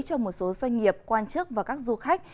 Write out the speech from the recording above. cho một số doanh nghiệp quan chức và các du khách